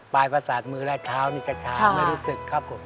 ปลายภาษามือและเท้านี่จะชาวไม่รู้สึกครับผม